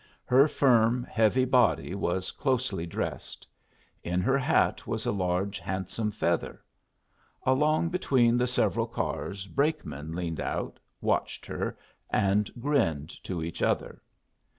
Her firm, heavy body was closely dressed. In her hat was a large, handsome feather. Along between the several cars brakemen leaned out, watched her, and grinned to each other.